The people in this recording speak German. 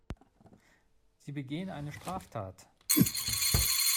Sie begehen eine Straftat.